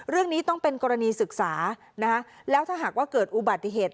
เรื่องนี้ต้องเป็นกรณีศึกษานะคะแล้วถ้าหากว่าเกิดอุบัติเหตุ